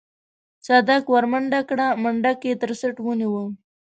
صدک ورمنډه کړه منډک يې تر څټ ونيوه.